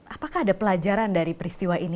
apakah ada pelajaran dari peristiwa ini